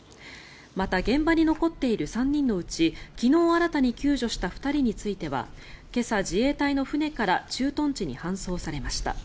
また現場に残っている３人のうち昨日、新たに救助した２人については今朝、自衛隊の船から駐屯地に搬送されました。